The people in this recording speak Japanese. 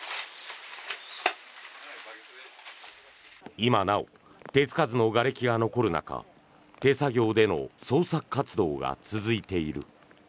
今なお手付かずのがれきが残る中手作業での捜索活動が続いている。